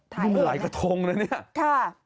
ทุกคนมันไหลกระทงเนี่ย